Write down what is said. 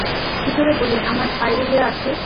কীভাবে বলি, আমার পাইওরিয়া আছে।